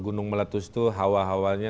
gunung meletus itu hawa hawanya